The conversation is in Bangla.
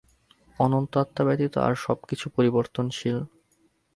অনন্ত আত্মা ব্যতীত আর সব কিছু পরিবর্তনশীল।